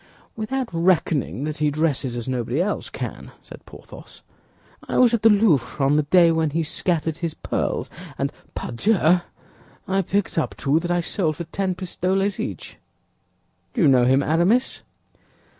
"Without reckoning that he dresses as nobody else can," said Porthos. "I was at the Louvre on the day when he scattered his pearls; and, pardieu, I picked up two that I sold for ten pistoles each. Do you know him, Aramis?"